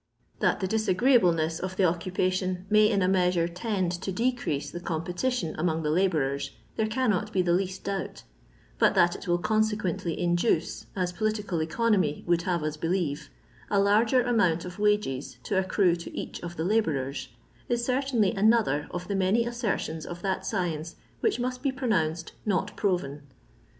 That the disagreeable ness of the occupation may in a measure tend to decrease the competition among the labourers, there cannot be the least doubt, but that it will consequently induce, as political economy would have us believe, a larger amount of wages to accrue to each of the labourers, is certainly another of the many assertion% of that science which must be pronounced " not proven."